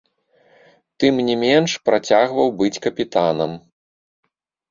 Тым не менш, працягваў быць капітанам.